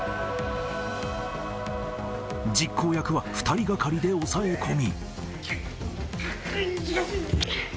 実行役は２人がかりで抑え込み。